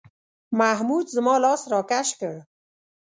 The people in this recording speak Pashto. محمود زما لاس راکش کړ.